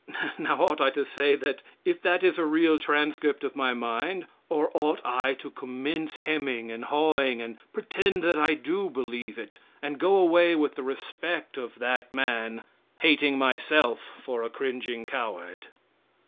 Now, ought I to say that, if that is a real transcript of my mind, or ought I to commence hemming and hawing and pretend that I do believe it, and go away with the respect of that man, hating myself for a cringing coward?